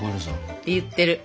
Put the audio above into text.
って言ってる。